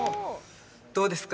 どうですか？